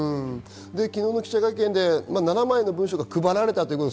昨日の記者会見で７枚の文書が配られました。